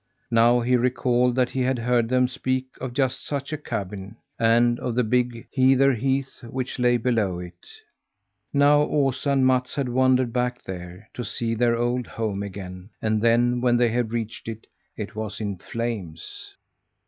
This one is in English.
Now he recalled that he had heard them speak of just such a cabin, and of the big heather heath which lay below it. Now Osa and Mats had wandered back there to see their old home again, and then, when they had reached it, it was in flames.